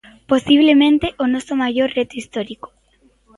Posiblemente o noso maior reto histórico.